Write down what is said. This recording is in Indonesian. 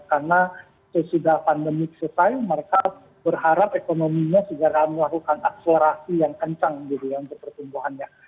karena sesudah pandemi selesai mereka berharap ekonominya sudah melakukan akselerasi yang kencang gitu yang kepertumbuhannya